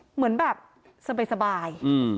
เหมือนแบบสบาย